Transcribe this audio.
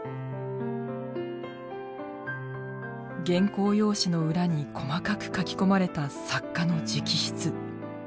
原稿用紙の裏に細かく書き込まれた作家の直筆。